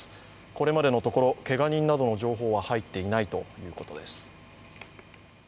これまでのところ、けが人などの情報は入っていないということです。